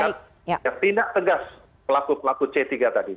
yang tidak tegas pelaku pelaku c tiga tadi